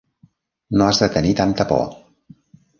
No has de tenir tanta por.